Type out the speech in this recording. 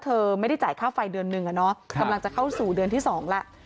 เธอไม่ได้จ่ายค่าไฟเดือนหนึ่งอะเนาะกำลังจะเข้าสู่เดือนที่๒แล้ว